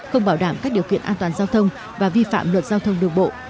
không bảo đảm các điều kiện an toàn giao thông và vi phạm luật giao thông đường bộ